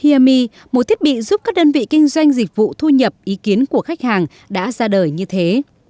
himi một thiết bị giúp các đơn vị kinh doanh dịch vụ thu nhập ý kiến của khách hàng đã ra đời như thế